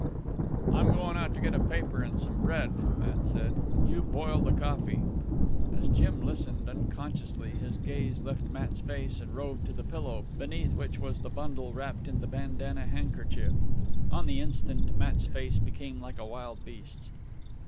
"I'm goin' out to get a paper an' some bread," Matt said. "You boil the coffee." As Jim listened, unconsciously his gaze left Matt's face and roved to the pillow, beneath which was the bundle wrapped in the bandana handkerchief. On the instant Matt's face became like a wild beast's.